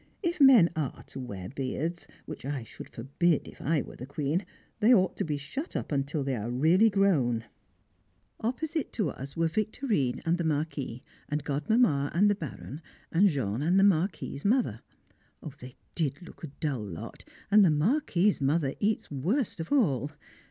If men are to wear beards (which I should forbid if I were the Queen) they ought to be shut up till they are really grown. [Sidenote: A Contretemps] Opposite to us were Victorine and the Marquis, and Godmamma and the Baron, and Jean and the Marquis's mother. They did look a dull lot, and the Marquis's mother eats worst of all!